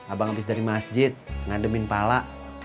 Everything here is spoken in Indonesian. abang abis dari masjid ngademin pala